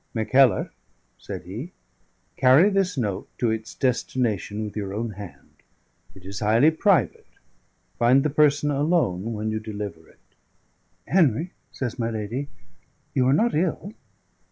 "Mackellar," said he, "carry this note to its destination with your own hand. It is highly private. Find the person alone when you deliver it." "Henry," says my lady, "you are not ill?"